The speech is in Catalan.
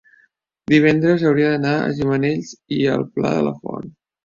divendres hauria d'anar a Gimenells i el Pla de la Font.